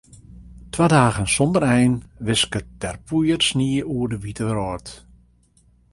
Twa dagen sonder ein wisket der poeiersnie oer de wite wrâld.